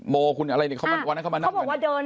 โมหุวอะไรเลยเขาบอกว่าเดิน